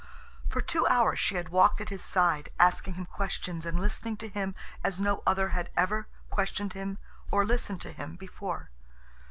For two hours she had walked at his side, asking him questions and listening to him as no other had ever questioned him or listened to him before.